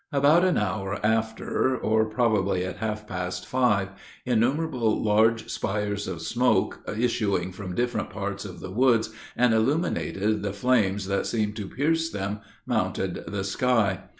About an hour after, or probably at half past five, innumerable large spires of smoke, issuing from different parts of the woods, and illuminated the flames that seemed to pierce them, mounted the sky.